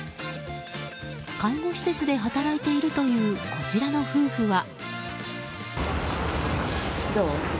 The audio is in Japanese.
介護施設で働いているというこちらの夫婦は。